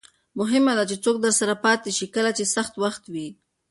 مهمه ده چې څوک درسره پاتې شي کله چې سخت وخت وي.